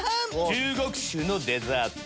中国酒のデザート